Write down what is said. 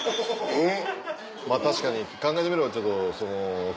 えっ？